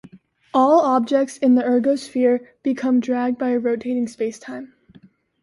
All objects in the ergosphere become dragged by a rotating spacetime.